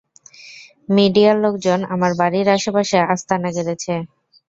মিডিয়ার লোকজন আমার বাড়ির আশপাশে আস্তানা গেড়েছে।